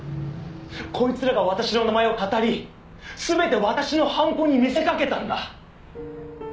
「こいつらが私の名前を騙り全て私の犯行に見せかけたんだ！」